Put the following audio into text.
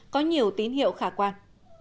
có nhiều tín hiệu khả quan